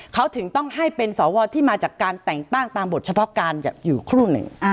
เขาถึงต้องให้เป็นสวที่มาจากการแต่งตั้งตามบทเฉพาะการอยู่ครู่หนึ่ง